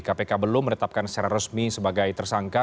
kpk belum menetapkan secara resmi sebagai tersangka